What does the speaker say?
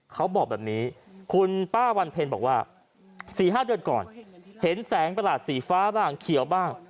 เขาบอกแบบนี้คุณป้าวันเพ็ญบอกว่า๔๕เดือนก่อนเห็นแสงประหลาดสีฟ้าบ้างเขียวบ้าง